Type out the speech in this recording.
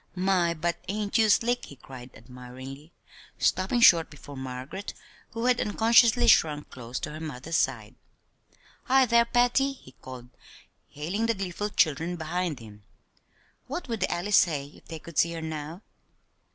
"My, but ain't you slick!" he cried admiringly, stopping short before Margaret, who had unconsciously shrunk close to her mother's side. "Hi, thar, Patty," he called, hailing the gleeful children behind him, "what would the Alley say if they could see her now?"